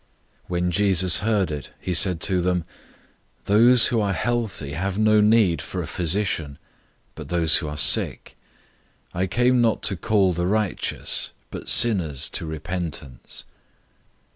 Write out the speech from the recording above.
002:017 When Jesus heard it, he said to them, "Those who are healthy have no need for a physician, but those who are sick. I came not to call the righteous, but sinners to repentance."